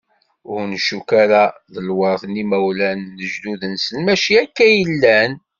Ur ncuk ara d lwert n yimawlan, lejdud-nsen mačči akka i llan.